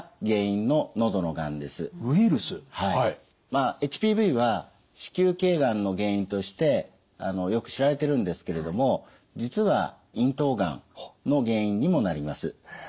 まあＨＰＶは子宮頸がんの原因としてよく知られてるんですけれども実は咽頭がんの原因にもなります。